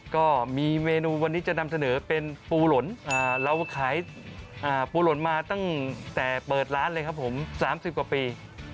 ก็มีเมนูวันนี้จะนำเสนอเป็นปูหล่นเราขายปูหล่นมาตั้งแต่เปิดร้านเลยครับผม๓๐กว่าปี